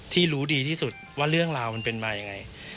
รู้ดีที่สุดว่าเรื่องราวมันเป็นมายังไง